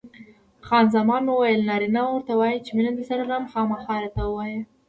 خان زمان وویل: نارینه ورته وایي چې مینه درسره لرم؟ خامخا راته ووایه.